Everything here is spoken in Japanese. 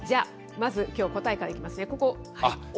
じゃあまず、きょう、答えからいきますね。